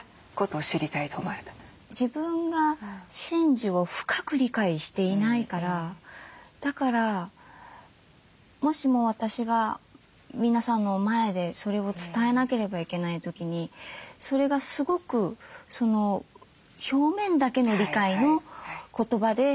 自分が神事を深く理解していないからだからもしも私が皆さんの前でそれを伝えなければいけない時にそれがすごく表面だけの理解の言葉で説明してしまう。